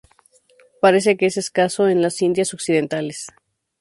Parece que es escaso en las Indias Occidentales.